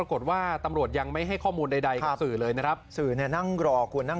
คือรถทางดัมมีคนเข้ามาจอดจอดตั้งคักหนึ่ง